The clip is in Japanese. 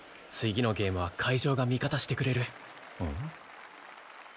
次のゲームは会場が味方してくれる。